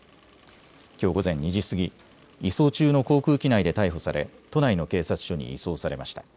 きょう午前２時過ぎ、移送中の航空機内で逮捕され都内の警察署に移送されました。